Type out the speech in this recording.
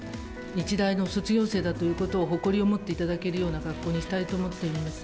日大の卒業生だということを誇りを持っていただけるような学校にしたいと思っております。